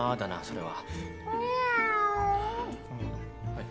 はい。